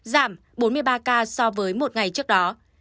giảm bốn mươi ba ca so với một ngày trước đó